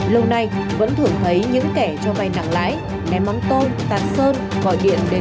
lâu nay vẫn thường thấy những kẻ cho vay nặng lãi ném bóng tôn tạt sơn gọi điện viên